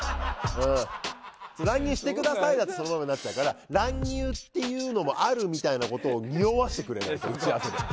乱入してくださいって言うとそのままなっちゃうから乱入っていうのもあるみたいなことをにおわせてくれないと打ち合わせで。